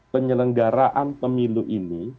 penyelenggaraan pemilu ini